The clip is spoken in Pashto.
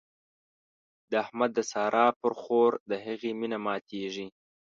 د احمد د سارا پر خور د هغې مينه ماتېږي.